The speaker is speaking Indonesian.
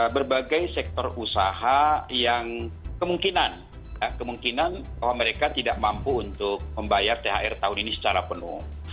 berbagai sektor usaha yang kemungkinan bahwa mereka tidak mampu untuk membayar thr tahun ini secara penuh